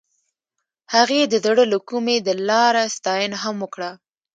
هغې د زړه له کومې د لاره ستاینه هم وکړه.